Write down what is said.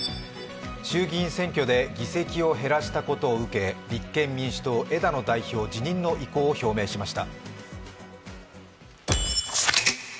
衆議院選挙で議席を減らしたことを受け立憲民主党・枝野代表、辞任の意向を表明しました。